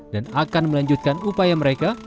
dan akan melanjutkan upaya mereka